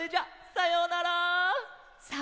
さようなら！